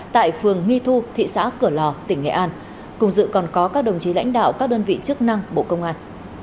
tại phường nghi thu thị xã cửa lò tỉnh nghệ an cùng dự còn có các đồng chí lãnh đạo các đơn vị chức năng bộ công an